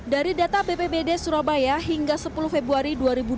dari data bpbd surabaya hingga sepuluh februari dua ribu dua puluh